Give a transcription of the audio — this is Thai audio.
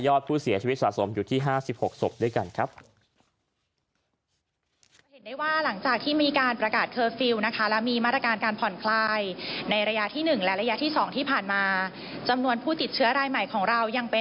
อดผู้เสียชีวิตสะสมอยู่ที่๕๖ศพด้วยกันครับ